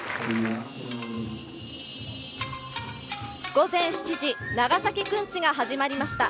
午前７時、長崎くんちが始まりました。